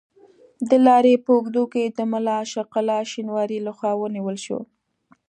د لارې په اوږدو کې د ملا عاشق الله شینواري له خوا ونیول شو.